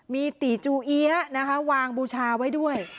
มีตีจูเอี๊ยะนะคะวางบูชาไว้ด้วย